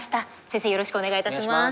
先生よろしくお願いいたします。